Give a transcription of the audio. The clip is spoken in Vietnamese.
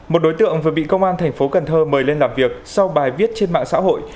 một đối tượng vừa bị công an thành phố cần thơ mời lên làm việc sau bài viết trên mạng xã hội